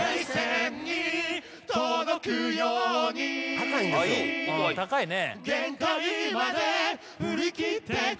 高いんですよ高いね